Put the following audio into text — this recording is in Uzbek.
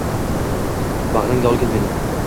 Bag’ringga olgin meni.